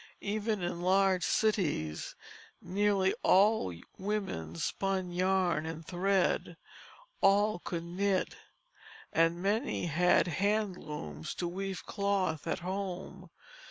Even in large cities nearly all women spun yarn and thread, all could knit, and many had hand looms to weave cloth at home.